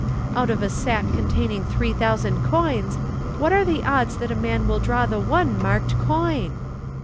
Out of a sack containing three thousand coins, what are the odds that a man will draw the one marked coin?"